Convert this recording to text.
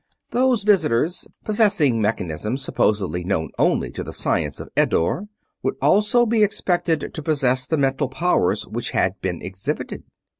Those visitors, possessing mechanisms supposedly known only to the science of Eddore, would also be expected to possess the mental powers which had been exhibited.